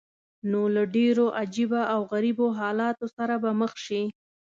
نو له ډېرو عجیبه او غریبو حالاتو سره به مخ شې.